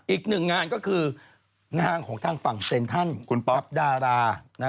อีกหนึ่งงานก็คือนางของทางฝั่งเซ็นทันกับดารา